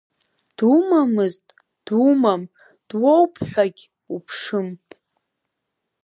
Думамызт, думам, дуоупҳәагь уԥшым.